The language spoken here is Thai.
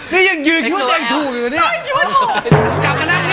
นี่ยังคิดว่ายังถูกอยู่เนี่ย